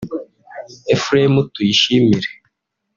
Ephrem Tuyishimire